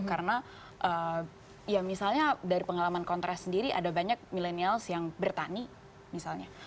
karena ya misalnya dari pengalaman kontra sendiri ada banyak milenials yang bertani misalnya